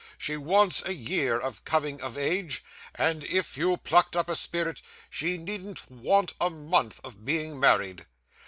She wants a year of coming of age, and if you plucked up a spirit she needn't want a month of being married.